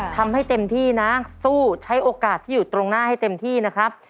ทำให้เต็มที่นะสู้ใช้โอกาสที่อยู่ตรงหน้าให้เต็มที่นะครับ